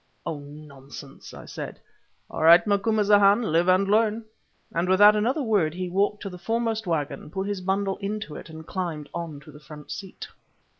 "Oh, nonsense!" I said. "All right, Macumazahn, live and learn." And without another word he walked to the foremost waggon, put his bundle into it, and climbed on to the front seat.